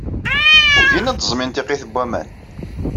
Ugin ad d-ẓẓmin tiqit n waman.